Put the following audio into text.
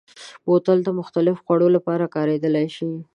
بوتل د مختلفو خوړو لپاره کارېدلی شي.